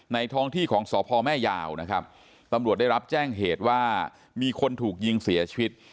ท้องที่ของสพแม่ยาวนะครับตำรวจได้รับแจ้งเหตุว่ามีคนถูกยิงเสียชีวิต